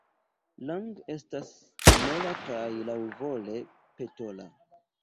Lang' estas mola kaj laŭvole petola.